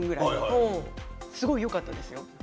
すごくよかったですよ。